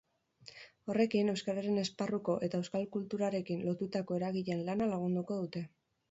Horrekin, euskararen esparruko eta euskal kulturarekin lotutako eragileen lana lagunduko dute.